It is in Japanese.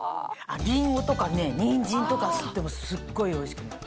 りんごとかニンジンとかすってもすっごいおいしくなる。